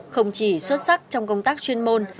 không chỉ xuất sắc trong công tác chuyên môn